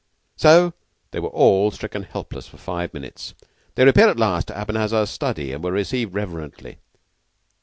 So they were all stricken helpless for five minutes. They repaired at last to Abanazar's study, and were received reverently.